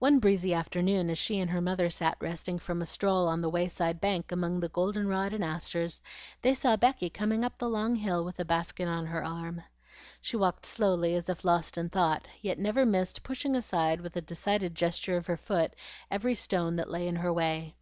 One breezy afternoon as she and her mother sat resting from a stroll on the way side bank among the golden rod and asters, they saw Becky coming up the long hill with a basket on her arm. She walked slowly, as if lost in thought, yet never missed pushing aside with a decided gesture of her foot every stone that lay in her way.